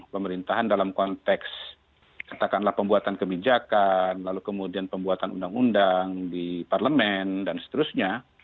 pemerintahan dalam konteks katakanlah pembuatan kebijakan lalu kemudian pembuatan undang undang di parlemen dan seterusnya